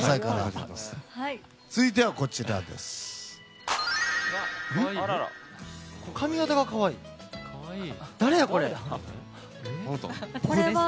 続いては、こちらです。